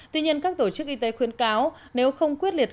tuy nhiên các tổ chức y tế khuyên cáo nếu không quyết liệt